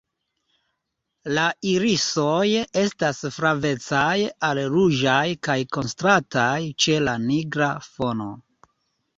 La irisoj estas flavecaj al ruĝaj kaj kontrastaj ĉe la nigra fono.